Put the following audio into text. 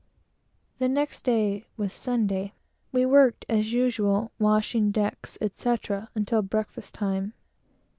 The next day was Sunday. We worked as usual, washing decks, etc., until breakfast time.